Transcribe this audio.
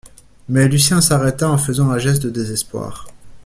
Mais Lucien s’arrêta en faisant un geste de désespoir.